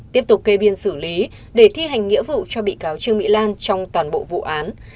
tiếp tục kê biên xử lý để thi hành nghĩa vụ cho bị cáo trương mỹ lan trong toàn bộ vụ án